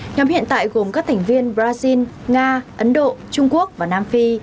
nhóm hiện tại gồm các thành viên brazil nga ấn độ trung quốc và nam phi